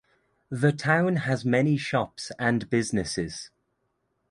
The town has many shops and businesses.